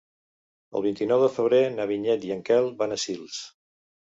El vint-i-nou de febrer na Vinyet i en Quel van a Sils.